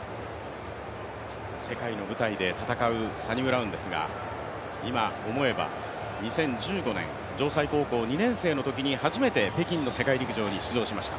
世界の舞台で戦うサニブラウンですが、今、思えば２０１５年、高校２年生のときに北京の世界陸上に出場しました。